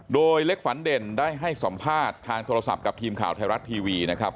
โดยเล็กฝันเด่นได้ให้สัมภาษณ์ทางโทรศัพท์กับทีมข่าวไทยรัฐทีวีนะครับ